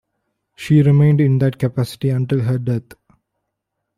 She remained in that capacity until her death.